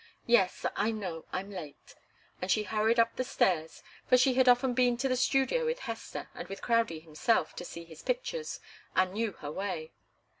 "Yes, I know I'm late." And she hurried up the stairs, for she had often been to the studio with Hester and with Crowdie himself, to see his pictures, and knew her way.